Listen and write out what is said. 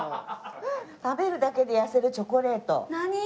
食べるだけで痩せるチョコレート。何！？